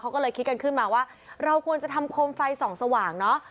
เขาก็เลยคิดกันขึ้นมาว่าเราควรจะทำโคมไฟส่องสว่างเนอะ